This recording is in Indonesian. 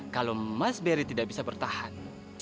kalau mas berry tidak bisa bertahan